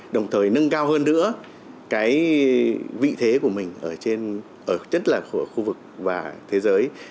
đồng thời nâng cao hơn nữa cái vị thế của mình ở trên ở chất là của khu vực và thế giới